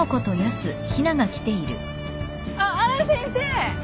あら先生。